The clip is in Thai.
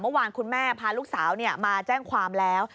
เมื่อวานคุณแม่พาลูกสาวมาแจ้งความแล้ว